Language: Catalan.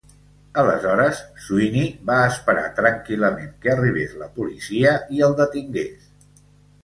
Aleshores, Sweeney va esperar tranquil·lament que arribés la policia i el detingués.